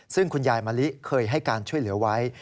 ซึ่งคุณยายมะลิเคยให้การช่วยเหลือไว้